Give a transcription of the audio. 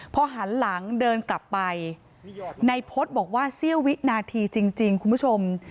พอหันหลังเดินกลับไปนายพฤษบอกว่าเสี้ยววินาทีจริงคุณผู้ชม